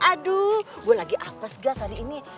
aduh gue lagi apes gas hari ini